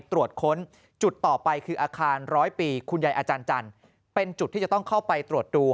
ตรวจค้นจุดต่อไปคืออาคารร้อยปีคุณยายอาจารย์จันทร์เป็นจุดที่จะต้องเข้าไปตรวจดู